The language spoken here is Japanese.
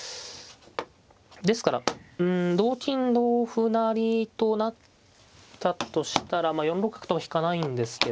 ですから同金同歩成となったとしたら４六角とは引かないんですけど